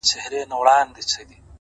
وخت د ارمانونو ریښتینولي څرګندوي’